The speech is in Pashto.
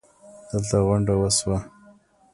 دلته غونډه وشوه